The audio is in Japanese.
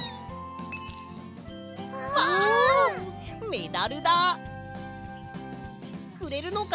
メダルだ！くれるのか？